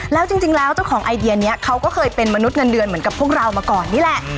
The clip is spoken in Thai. แล้วจริงแล้วเจ้าของไอเดียนี้เขาก็เคยเป็นมนุษย์เงินเดือนเหมือนกับพวกเรามาก่อนนี่แหละ